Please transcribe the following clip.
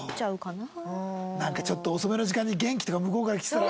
なんかちょっと遅めの時間に「元気？」とか向こうからきてたら。